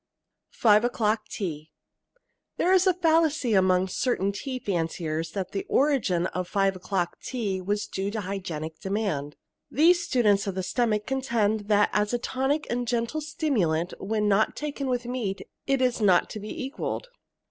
FIVE O'CLOCK TEA There is a fallacy among certain tea fanciers that the origin of five o'clock tea was due to hygienic demand. These students of the stomach contend that as a tonic and gentle stimulant, when not taken with meat, it is not to be equalled.